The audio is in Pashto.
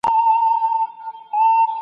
منبر باید همداسې ونه شي.